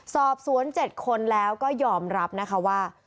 สอบสวน๗คนแล้วก็ยอมรับนะคะว่า